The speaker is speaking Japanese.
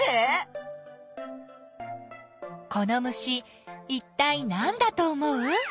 この虫いったいなんだと思う？